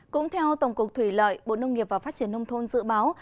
cũng theo tổng cục thủy lợi bộ nông nghiệp và phát triển nông thôn dự báo